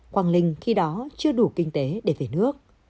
quang linh khi đó chưa đủ kinh tế để về nước